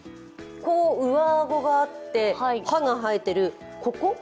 上顎があって歯が生えてるここ？